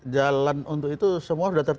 jalan untuk itu semua sudah ter